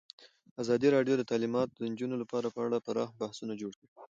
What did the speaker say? ازادي راډیو د تعلیمات د نجونو لپاره په اړه پراخ بحثونه جوړ کړي.